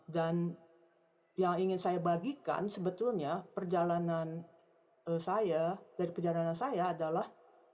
dan yang ingin saya bagikan sebetulnya perjalanan saya dari perjalanan saya adalah